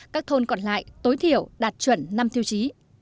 các thôn còn lại tối thiểu đạt chuẩn năm tiêu chí